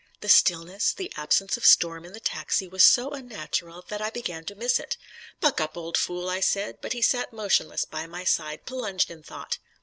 The stillness, the absence of storm in the taxi, was so unnatural that I began to miss it. "Buck up, old fool," I said, but he sat motionless by my side, plunged in thought.